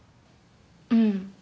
うん。